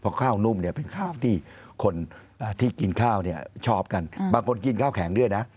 เพราะข้าวนุ่มเนี่ยเป็นข้าวที่คนที่กินข้าวเนี่ยชอบกันบางคนกินข้าวแข็งด้วยนะ